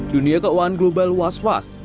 dunia keuangan global was was